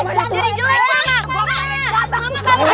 jangan berantem meli